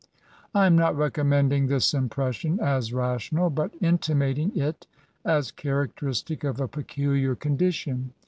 I am not recommending this impression as rational, but intimating it as characteristic of a peculiar condi tion.